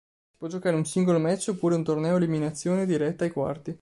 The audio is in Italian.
Si può giocare un singolo match oppure un torneo a eliminazione diretta ai quarti.